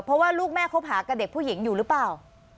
เพราะว่าลูกแม่คบหากับเด็กผู้หญิงอยู่หรือเปล่า